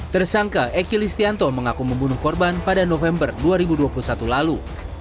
tersangka eky listianto mengaku membunuh korban pada november dua ribu dua puluh satu lalu